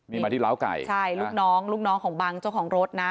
นี่มาที่ล้าวไก่ใช่ลูกน้องลูกน้องของบังเจ้าของรถนะ